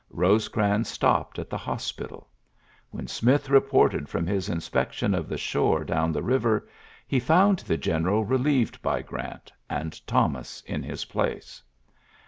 Ba crans stopped at the hospital. Wh Smith reported from his inspection the shore down the river, he found t general relieved by Grant, and Thon in his place.